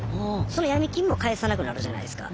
そのヤミ金も返さなくなるじゃないすか。